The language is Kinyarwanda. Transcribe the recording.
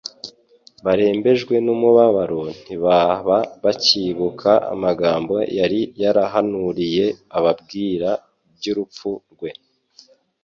Barembejwe n'umubabaro ntibaba bacyibuka amagambo yari yarabahanuriye ababwira iby'urupfu rwe.